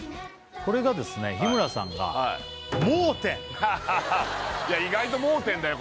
これがですね日村さんがいや意外と盲点だよ